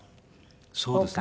そうですね。